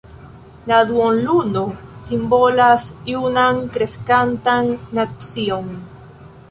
La duonluno simbolas junan kreskantan nacion.